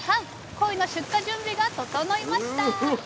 コイの出荷準備が整いました。